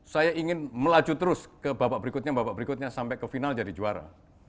saya ingin melaju terus ke babak berikutnya babak berikutnya sampai ke final jadi juara